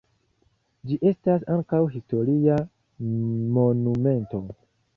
Ĝi estas ankaŭ historia monumento.